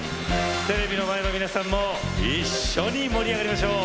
テレビの前の皆さんも一緒に盛り上がりましょう！